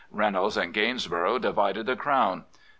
Reynolds and Gainsborough divided the crown.